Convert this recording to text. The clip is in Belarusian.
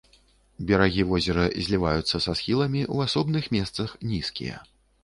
Берагі возера зліваюцца са схіламі, у асобных месцах нізкія.